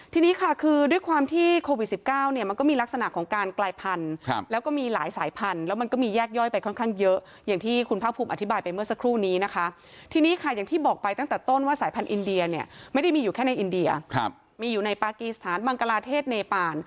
ทีนี้ค่ะคือด้วยความที่โควิด๑๙เนี่ยมันก็มีลักษณะของการกลายพันธุ์แล้วก็มีหลายสายพันธุ์แล้วมันก็มีแยกย่อยไปค่อนข้างเยอะอย่างที่คุณภาคภูมิอธิบายไปเมื่อสักครู่นี้นะคะทีนี้ค่ะอย่างที่บอกไปตั้งแต่ต้นว่าสายพันธุอินเดียเนี่ยไม่ได้มีอยู่แค่ในอินเดียมีอยู่ในปากีสถานบังกลาเทศเนปาน